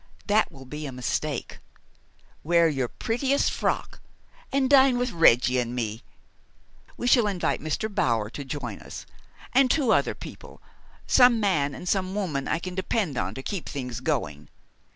That will be a mistake. Wear your prettiest frock, and dine with Reggie and me. We shall invite Mr. Bower to join us, and two other people some man and woman I can depend on to keep things going.